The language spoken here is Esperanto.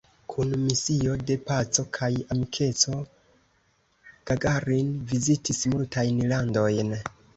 Kun misio de paco kaj amikeco Gagarin vizitis multajn landojn.